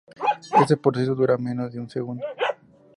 Este proceso dura menos de un segundo.